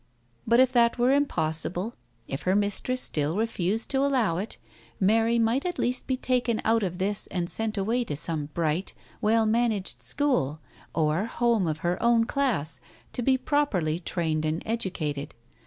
But if that were impossible, if her mistress still refused to allow it, Mary might at least be taken out of this and sent away to some bright, well managed school, or home of her own class, to be pro perly trained and educated.